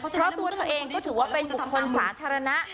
เพราะตัวเธอเองก็ถือว่าเป็นจุธคนสาธารณะ